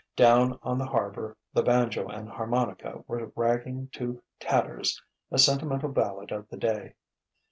Down on the harbour the banjo and harmonica were ragging to tatters a sentimental ballad of the day.